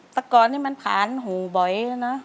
แต่ก่อนนี่มันผ่านหูบ่อยนะ